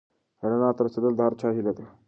رڼا ته رسېدل د هر چا هیله ده.